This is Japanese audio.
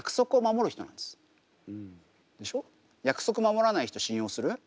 約束守らない人信用する？